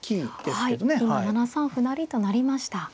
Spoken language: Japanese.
今７三歩成と成りました。